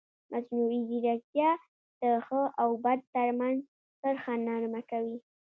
مصنوعي ځیرکتیا د ښه او بد ترمنځ کرښه نرمه کوي.